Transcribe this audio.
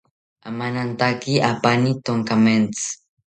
Amanantaki apani tonkamentzi